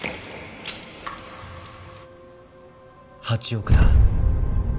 ８億だ。